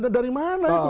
dari mana itu